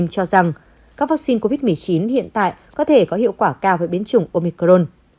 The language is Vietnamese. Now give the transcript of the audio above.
ông cho rằng các vaccine covid một mươi chín hiện tại có thể có hiệu quả cao với biến chủng omicron